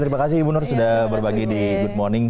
terima kasih ibu nur sudah berbagi di good morning